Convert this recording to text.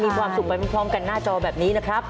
มีความสุขไปพร้อมกันหน้าจอแบบนี้นะครับ